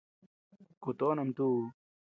Kutoʼon ama tuu.